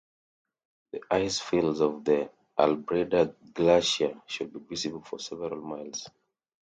The icefields of the Albreda Glacier should be visible for several miles.